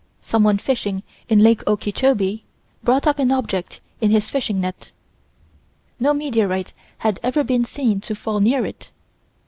Someone fishing in Lake Okeechobee, brought up an object in his fishing net. No meteorite had ever been seen to fall near it.